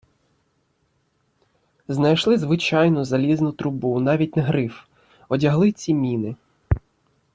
Знайшли звичайну залізну трубу, навіть не гриф, одягли ці міни.